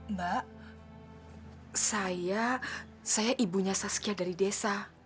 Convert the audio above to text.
mbak saya ibunya saskia dari desa